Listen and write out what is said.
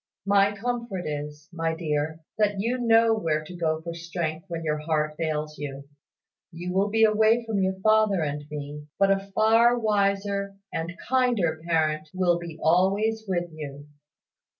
My comfort is, my dear, that you know where to go for strength when your heart fails you. You will be away from your father and me; but a far wiser and kinder parent will be always with you.